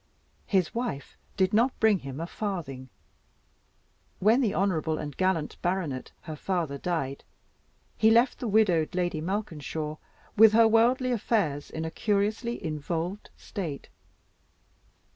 His wife did not bring him a farthing. When the honorable and gallant baronet, her father, died, he left the widowed Lady Malkinshaw with her worldly affairs in a curiously involved state.